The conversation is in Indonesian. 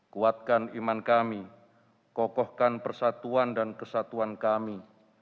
kuatkan iman kami kokohkan persatuan dan kesatuan kami